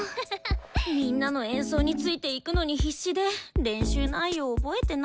みんなの演奏についていくのに必死で練習内容覚えてないや。